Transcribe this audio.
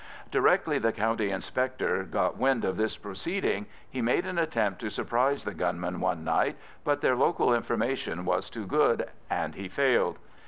Directly the County Inspector got wind of this proceeding, he made an attempt to surprise the gunmen one night, but their local information was too good, and he failed.